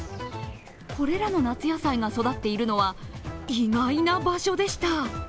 これらの夏野菜が育っているのは意外な場所でした。